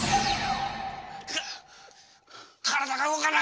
か体が動かない。